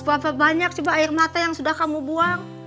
berapa banyak air mata yang sudah kamu buang